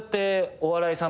「お笑いさん」